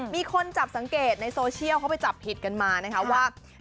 มีคนจับสังเกตในโซเชียลเขาไปจับผิดกันมานะคะว่า